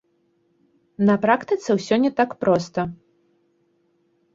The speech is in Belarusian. На практыцы ўсё не так проста.